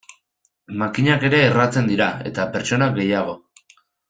Makinak ere erratzen dira, eta pertsonak gehiago.